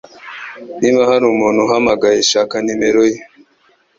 Niba hari umuntu uhamagaye, shaka numero ye